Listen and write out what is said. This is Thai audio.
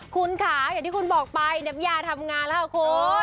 คุณค่ะอย่างที่คุณบอกไปน้ำยาทำงานแล้วค่ะคุณ